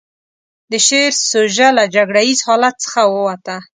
د شعر سوژه له جګړه ييز حالت څخه ووته.